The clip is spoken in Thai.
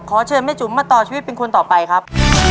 เชิญแม่จุ๋มมาต่อชีวิตเป็นคนต่อไปครับ